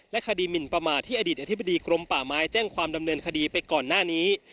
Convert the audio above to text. คดีหมินประมาทที่อดีตอธิบดีกรมป่าไม้แจ้งความดำเนินคดีไปก่อนหน้านี้